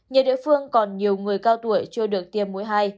nhiều địa phương còn nhiều người cao tuổi chưa được tiêm mũi hai